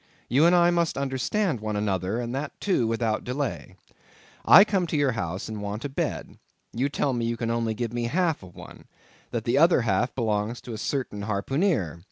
You and I must understand one another, and that too without delay. I come to your house and want a bed; you tell me you can only give me half a one; that the other half belongs to a certain harpooneer.